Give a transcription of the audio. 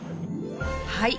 はい。